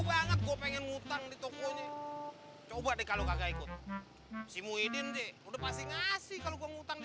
banget pengen ngutang di tokonya coba deh kalau kagak ikut sih pasti ngasih kalau ngutang di